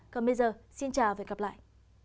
còn bây giờ xin chào và gặp lại